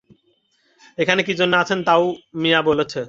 এখানে কি জন্যে আছেন তাও মিয়া বলেছে।